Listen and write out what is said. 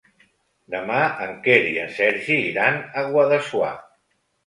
Demà en Quer i en Sergi iran a Guadassuar.